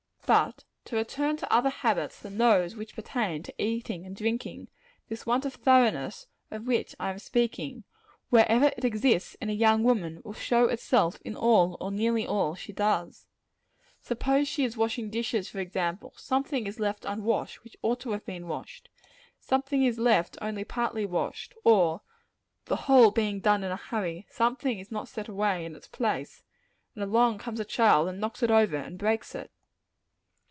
But to return to other habits than those which pertain to eating and drinking this want of thoroughness, of which I am speaking, wherever it exists in a young woman, will show itself in all or nearly all she does. Suppose she is washing dishes, for example; something is left unwashed which ought to have been washed; something is left only partly washed; or the whole being done in a hurry, something is not set away in its place, and along comes a child and knocks it over and breaks it.